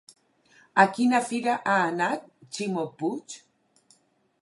A quina fira ha anat Ximo Puig?